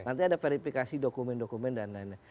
nanti ada verifikasi dokumen dokumen dan lain lain